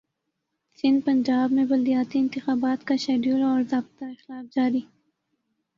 سندھپنجاب میں بلدیاتی انتخابات کاشیڈول اور ضابطہ اخلاق جاری